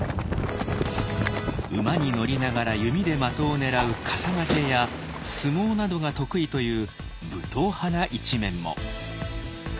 馬に乗りながら弓で的を狙う「笠懸」や「相撲」などが得意という武闘派な一面も。